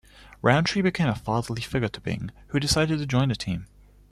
Roundtree became a fatherly figure to Bing, who decided to join the team.